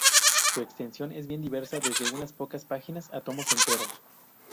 Su extensión es bien diversa, desde unas pocas páginas a tomos enteros.